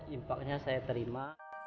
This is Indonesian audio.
infaknya saya terima